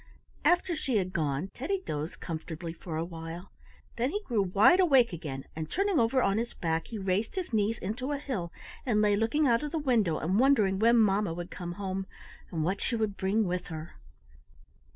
After she had gone Teddy dozed comfortably for a while. Then he grew wide awake again, and turning over on his back he raised his knees into a hill, and lay looking out of the window, and wondering when mamma would come home, and what she would bring with her.